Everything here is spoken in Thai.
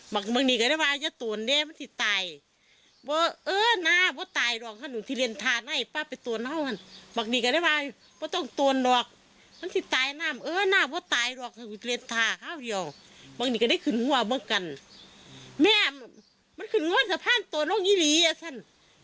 บางนี้ก็ได้ขึ้นหัวบ้างกันแม่มันขึ้นหัวสะพานตัวน้องยี่หลีอ่ะฉัน